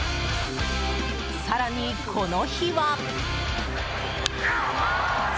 更に、この日は。